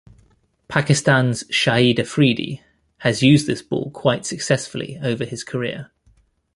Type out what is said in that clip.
Pakistan's Shahid Afridi has used this ball quite successfully over his career.